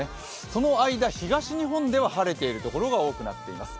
その間、東日本では晴れているところが多くなっています。